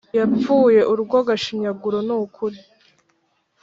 Yapfuye urwo agashinyaguro nukuri